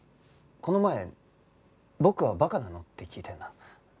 この前「僕はバカなの？」って聞いたよな。